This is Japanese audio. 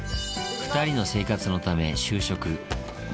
２人の生活のため、就職。